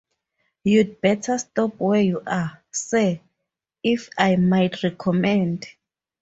You’d better stop where you are, sir, if I might recommend.